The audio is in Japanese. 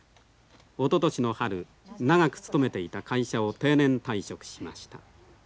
おととしの春長く勤めていた会社を定年退職しました。